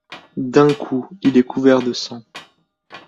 D’un coup, il est couvert de sang.